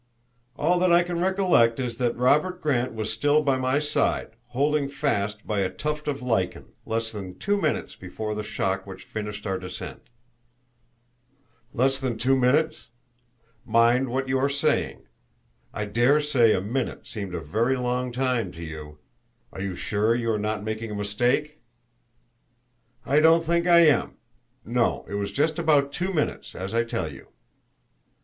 "All that I can recollect is that Robert Grant was still by my side, holding fast by a tuft of lichen, less than two minutes before the shock which finished our descent." "Less than two minutes? Mind what you are saying; I dare say a minute seemed a very long time to you. Are you sure you are not making a mistake?" "I don't think I am. No; it was just about two minutes, as I tell you."